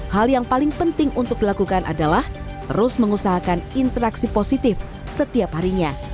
hal yang paling penting untuk dilakukan adalah terus mengusahakan interaksi positif setiap harinya